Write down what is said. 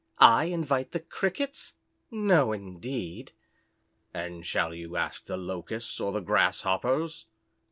I invite the Crickets? No, indeed." "And shall you ask the Locusts or the Grasshoppers?"